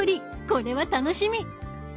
これは楽しみ！